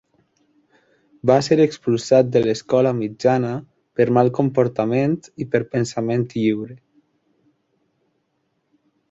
Va ser expulsat de l'escola mitjana per mal comportament i per pensament lliure.